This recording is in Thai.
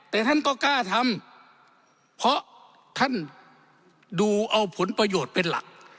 แต่ท่านก็กล้าทำเพราะท่านดูเอาผลประโยชน์เป็นหลัก